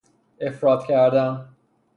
افراط کردن